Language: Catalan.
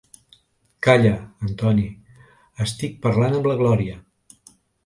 Calla, Anthony, estic parlant amb la Gloria.